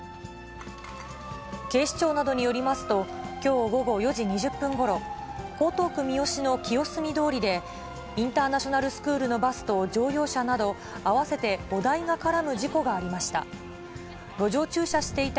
警視庁などによりますと、きょう午後４時２０分ごろ、江東区みよしの清澄通りで、インターナショナルスクールのバスと乗用車など合わせて５台が絡む事故がありました。